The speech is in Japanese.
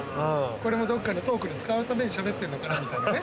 これもどっかでトークに使うために喋ってんのかなみたいなね